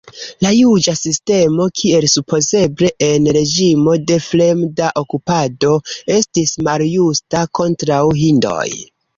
La juĝa sistemo, kiel supozeble en reĝimo de fremda okupado, estis maljusta kontraŭ hindoj.